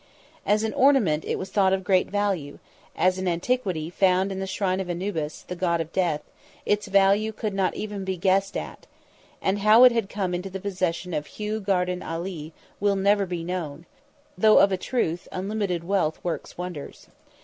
As an ornament it was of great value; as an antiquity found in the Shrine of Anubis, the God of Death, its value could not even be guessed at; and how it had come into the possession of Hugh Garden Ali will never be known, though of a truth, unlimited wealth works wonders.